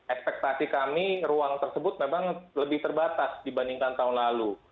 ekspektasi kami ruang tersebut memang lebih terbatas dibandingkan tahun lalu